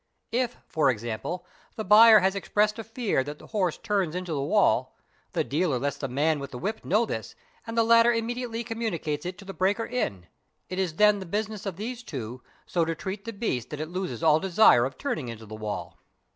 If, for example, the buyer has expressed a fear that _ the horse turns into the wall, the dealer lets the man with the whip know this and the latter immediately communicates it to the breaker in; it is | then the business of these two so to treat the beast that it loses all desire of turning into the wall.